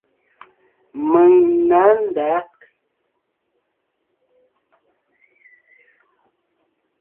Mèŋ nǎ ndǎg.